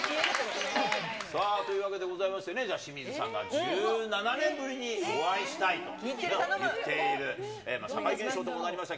というわけございまして、じゃあ、清水さんが１７年ぶりにお会いしたいと言っている、社会現象ともなりました